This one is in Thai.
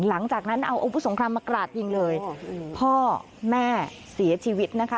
หลังจากนั้นเอาอาวุธสงครามมากราดยิงเลยพ่อแม่เสียชีวิตนะคะ